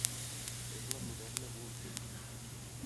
És la moderna Vulci.